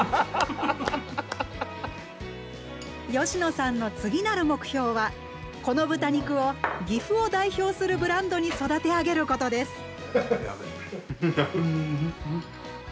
吉野さんの次なる目標はこの豚肉を岐阜を代表するブランドに育て上げることです。